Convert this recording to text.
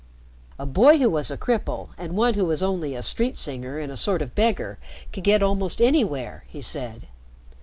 "A boy who was a cripple and one who was only a street singer and a sort of beggar could get almost anywhere," he said.